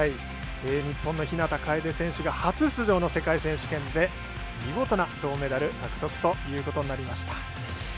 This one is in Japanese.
日本の日向楓選手が初出場の世界選手権で見事な銅メダル獲得ということになりました。